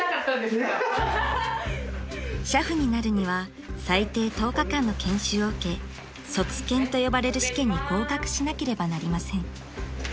［俥夫になるには最低１０日間の研修を受け卒検と呼ばれる試験に合格しなければなりません］